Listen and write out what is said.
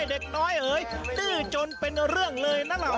ดื้อจนเป็นเรื่องเลยนะเรา